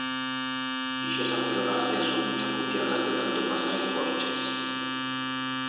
Ixas acelgas ya son muit chafutiadas de tanto pasar es borches.